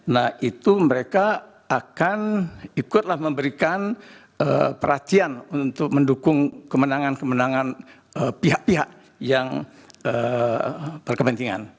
nah itu mereka akan ikutlah memberikan perhatian untuk mendukung kemenangan kemenangan pihak pihak yang berkepentingan